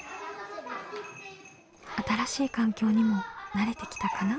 新しい環境にも慣れてきたかな？